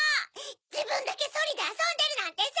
じぶんだけソリであそんでるなんてさ！